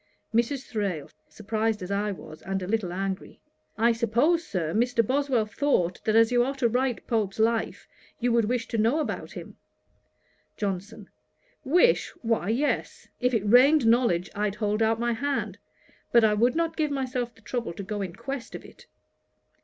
MRS. THRALE: (surprized as I was, and a little angry.) 'I suppose, Sir, Mr. Boswell thought, that as you are to write Pope's Life, you would wish to know about him.' JOHNSON. 'Wish! why yes. If it rained knowledge I'd hold out my hand; but I would not give myself the trouble to go in quest of it.'